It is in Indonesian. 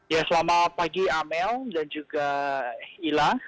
ya selamat pagi amel dan juga ila